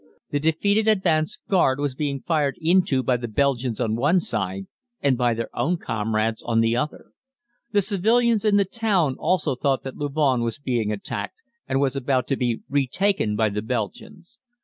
The defeated advance guard was being fired into by the Belgians on one side and by their own comrades on the other. The civilians in the town also thought that Louvain was being attacked and was about to be retaken by the Belgians.